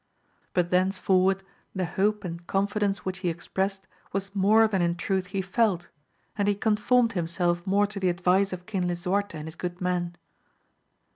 But thenceforward the hope and confidence which he expressed was more than in truth he felt, and he conformed himself more to the advice of King Lisuarte and his good men.